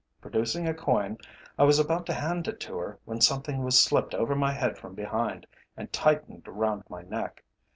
Producing a coin, I was about to hand it to her, when something was slipped over my head from behind, and tightened round my neck.